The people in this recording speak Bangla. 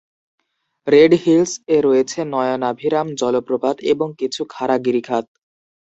রেড হিলস-এ রয়েছে নয়নাভিরাম জলপ্রপাত এবং কিছু ছোট খাড়া গিরিখাত।